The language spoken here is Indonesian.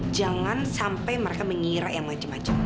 jangan sampai mereka mengira yang maju maju